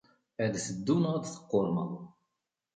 Ad d-teddu, neɣ ad d-teqqurmeḍ!